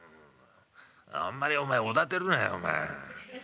「あんまりおだてるなよお前ええ？